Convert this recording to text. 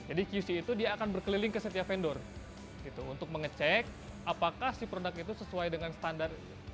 nah jadi qc itu dia akan berkeliling ke setiap vendor gitu untuk mengecek apakah si produk itu sesuai dengan standar yang awer zule itu sediakan